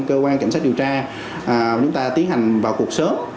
cơ quan cảnh sát điều tra chúng ta tiến hành vào cuộc sớm